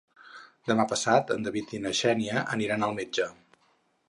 Demà passat en David i na Xènia aniran al metge.